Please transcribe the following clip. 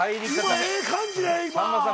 ええ感じや今。